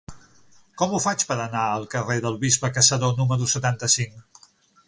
Com ho faig per anar al carrer del Bisbe Caçador número setanta-cinc?